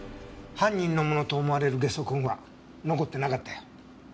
犯人のものと思われるゲソ痕は残ってなかったよ。